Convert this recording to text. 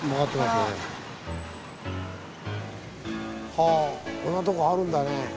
はぁこんなとこあるんだね。